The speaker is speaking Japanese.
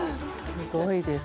すごいです。